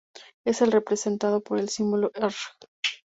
Es representado por el símbolo "erg".